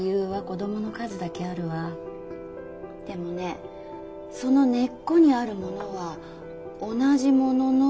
でもねその根っこにあるものは同じものの気がする。